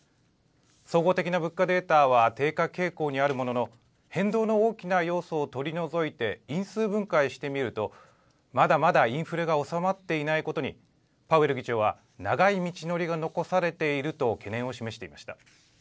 総合的な物価データは低下傾向にあるものの、変動の大きな要素を取り除いて因数分解してみると、まだまだインフレが収まっていないことに、パウエル議長は、長い道のりが残されていると懸念を示していました。